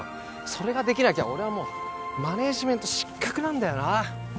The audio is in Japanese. それができなきゃ俺はもうマネージメント失格なんだよな